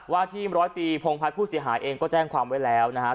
ว่าทีมร้อยตีพงพัฒน์ผู้เสียหายเองก็แจ้งความไว้แล้วนะครับ